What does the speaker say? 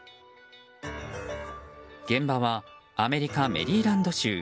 現場はアメリカ・メリーランド州。